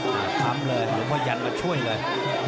ขับเลยเดี๋ยวพ่อยันจะมาช่วยเลย